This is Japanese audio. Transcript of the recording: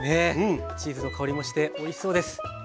チーズの香りもしておいしそうです。